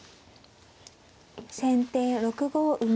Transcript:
先手６五馬。